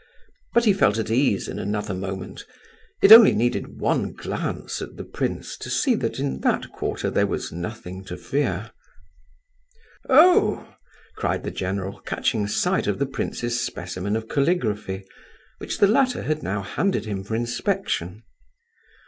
But he felt at ease in another moment; it only needed one glance at the prince to see that in that quarter there was nothing to fear. "Oh!" cried the general, catching sight of the prince's specimen of caligraphy, which the latter had now handed him for inspection.